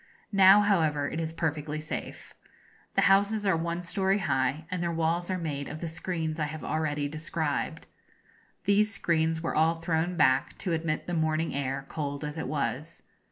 Now, however, it is perfectly safe. The houses are one story high, and their walls are made of the screens I have already described. These screens were all thrown back, to admit the morning air, cold as it was.